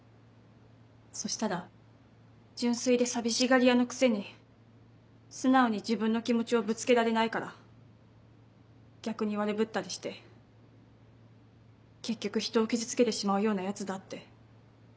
そしたら純粋で寂しがり屋のくせに素直に自分の気持ちをぶつけられないから逆に悪ぶったりして結局ひとを傷つけてしまうようなヤツだって。